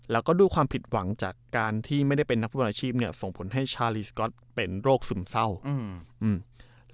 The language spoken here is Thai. แล้วก็ด้วยความผิดหวังจากการที่ไม่ได้เป็นนักฟุตบอลอาชีพเนี่ยส่งผลให้ชาลีสก๊อตเป็นโรคซึมเศร้าอืม